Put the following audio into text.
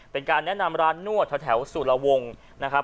เป็นการแนะนำร้านนวดแถวสุรวงนะครับ